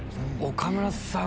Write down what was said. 岡村さん